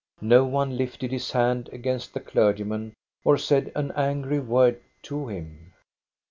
No one lifted his hand against the clergyman or said an angry word to him.